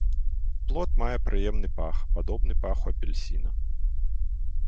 Плод мае прыемны пах, падобны паху апельсіна.